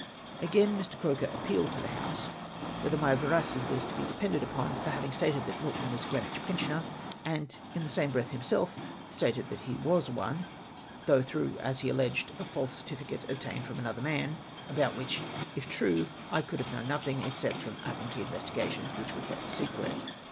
Again, Mr. Croker appealed to the House whether 302 THE Tr.UTII EXPLAINED. my veracity was to bo depended upon, for having stated that Milton was a Greenwich pensioner, and in the same breath himself stated that he ivas one! though throuo:h, as he alleo; ed, a false certificate obtained from another man, about which, if true, I could have known nothing except from Admiralty investigations, which were kept secret.